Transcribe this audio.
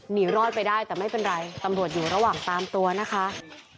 หนีรอดไปได้แต่ไม่เป็นไรตำรวจอยู่ระหว่างตามตัวนะคะ